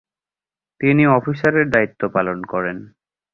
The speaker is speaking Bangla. তিনি অফিসারের দায়িত্ব পালন করেন।